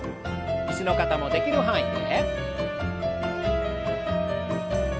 椅子の方もできる範囲で。